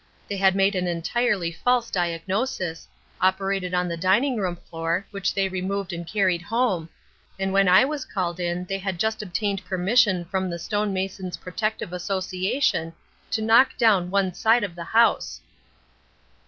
They had made an entirely false diagnosis, operated on the dining room floor, which they removed and carried home, and when I was called in they had just obtained permission from the Stone Mason's Protective Association to knock down one side of the house."